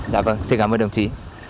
dạ vâng xin cảm ơn đồng chí